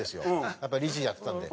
やっぱ理事やってたんで。